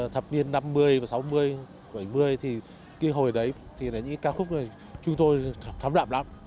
thập niên năm mươi sáu mươi bảy mươi thì khi hồi đấy thì những ca khúc này chúng tôi thấm đạm lắm